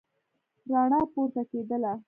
رڼا پورته کېدله.